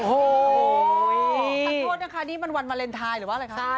โอ้โหทานโทษนะคะนี่มันวันวาเลนไทยหรือว่าอะไรคะ